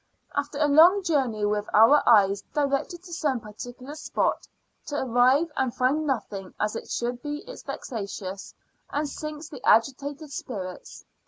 After a long journey, with our eyes directed to some particular spot, to arrive and find nothing as it should be is vexatious, and sinks the agitated spirits.